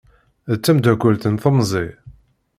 D tameddakelt n temẓi.